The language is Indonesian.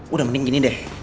udah mending gini deh